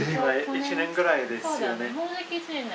１年くらいですよね。